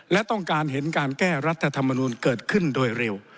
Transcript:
และต้องการเห็นการแก้รัฐธรรมนูลเกิดขึ้นโดยเร็ว